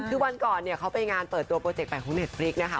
คือวันก่อนเนี่ยเขาไปงานเปิดตัวโปรเจกต์ของเน็ตฟริกนะคะ